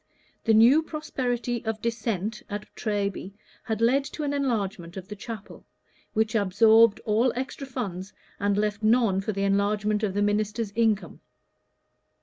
The new prosperity of Dissent at Treby had led to an enlargement of the chapel, which absorbed all extra funds and left none for the enlargement of the minister's income.